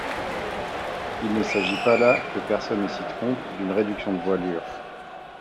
Il ne s’agit pas là, que personne ne s’y trompe, d’une réduction de voilure.